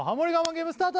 ゲームスタート